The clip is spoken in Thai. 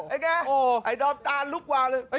ไอ้แกไอ้ดอมตาลลุกวางเลย